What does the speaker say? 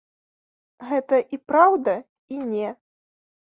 Гэта і праўда, і не.